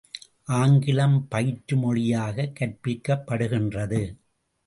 ஆங்கிலம், பயிற்று மொழியாகக் கற்பிக்கப்படுகின்றது.